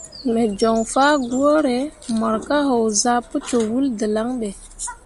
Me joŋ fah gwǝ mor ka haozah pǝ cok wul dǝlaŋ ɓe.